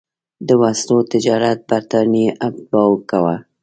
د وسلو تجارت برټانیې اتباعو کاوه.